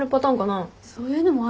そういうのもあんの？